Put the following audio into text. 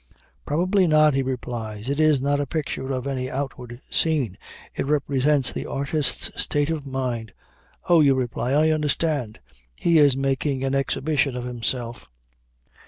"Probably not," he replies, "it is not a picture of any outward scene, it represents the artist's state of mind." "O," you reply, "I understand. He is making an exhibition of himself."